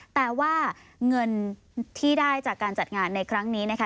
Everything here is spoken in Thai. แต่ว่าเงินที่ได้จากการจัดงานในครั้งนี้นะคะ